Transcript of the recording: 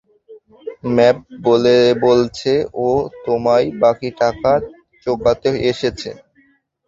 ম্যাভ বলছে ও তোমায় বাকি টাকা চোকাতে এসেছে।